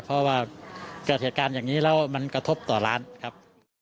เพราะว่าเกิดเหตุการณ์อย่างนี้แล้วมันกระทบต่อร้านครับ